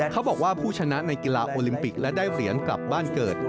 เขาบอกว่าผู้ชนะในกีฬาโอลิมปิกและได้เหรียญกลับบ้านเกิด